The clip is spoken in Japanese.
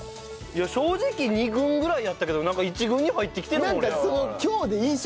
正直二軍ぐらいやったけどなんか一軍に入ってきてるもん俺。